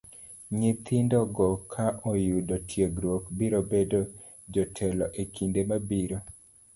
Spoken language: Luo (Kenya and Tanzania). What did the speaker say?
Nyithindo go ka oyudo tiegruok, biro bedo jotelo e kinde mabiro.